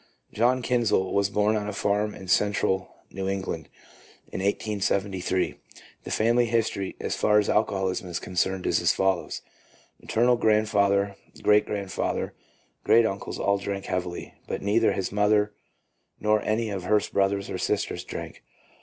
John Kinsel 1 was born on a farm in Central New England in 1873. The family history as far as alco holism is concerned is as follows: — Maternal grand father, great grandfather, and great uncles all drank heavily, but neither his mother nor any of her brothers or sisters drank.